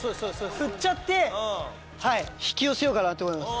振っちゃって引き寄せようかなと思います。